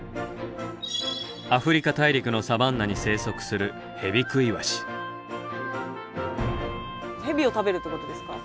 アフリカ大陸のサバンナに生息するヘビを食べるってことですか？